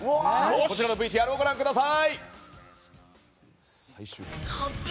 こちらのＶＴＲ、ご覧ください。